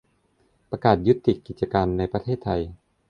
ประกาศยุติกิจการในประเทศไทย